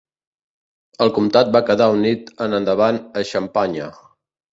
El comtat va quedar unit en endavant a Xampanya.